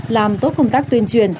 làm tốt công tác tuyên truyền